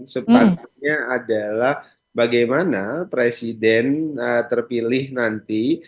sepakatnya adalah bagaimana presiden terpilih nanti